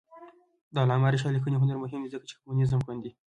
د علامه رشاد لیکنی هنر مهم دی ځکه چې کمونیزم غندي.